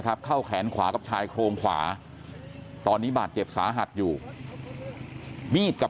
เข้าแขนขวากับชายโครงขวาตอนนี้บาดเจ็บสาหัสอยู่มีดกับ